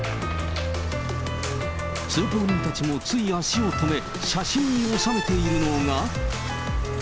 通行人たちもつい足を止め、写真に収めているのが。